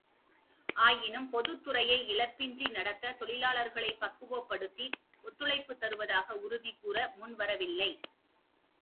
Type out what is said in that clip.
ஆயினும் பொதுத்துறையை இழப்பின்றி நடத்தத் தொழிலாளர்களைப் பக்குவப்படுத்தி ஒத்துழைப்புத் தருவதாக உறுதி கூற முன்வர வில்லை.